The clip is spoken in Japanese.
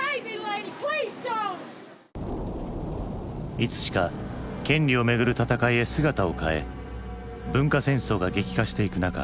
いつしか権利をめぐる闘いへ姿を変え文化戦争が激化していく中